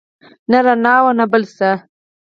نه رڼا وه او نه بل څه.